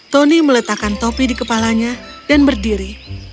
tony meletakkan topi di kepalanya dan berdiri